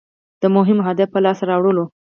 د مهم هدف په لاس راوړل.